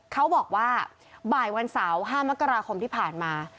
เขาบอกว่าบ่ายวันเสาร์๕มกราคมที่ผ่านมา